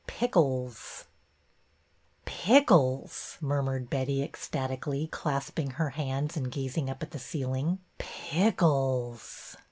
PICKLES " TRICKLES ! murmured Betty, ecstatically, clasping her hands and gazing up at the ceiling. ''Pickles!